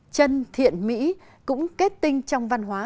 chân thiện mỹ cũng kết tinh trong văn hóa